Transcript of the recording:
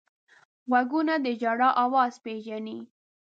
غوږونه د ژړا اواز پېژني